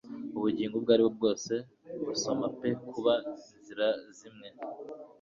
Ubugingo ubwo aribwo bwose busoma pe kuba inzira zimwe